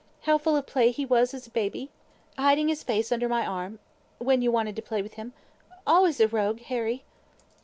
how full of play he was as a baby; hiding his face under my arm, when you wanted to play with him. Always a rogue, Harry!"